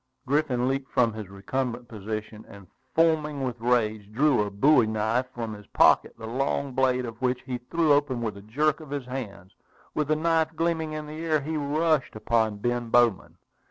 Griffin leaped from his recumbent position, and, foaming with rage, drew a bowie knife from his pocket, the long blade of which he threw open with a jerk of his hand. With the knife gleaming in the air, he rushed upon Ben Bowman.